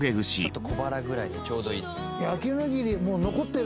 「ちょっと小腹ぐらいにちょうどいいですね」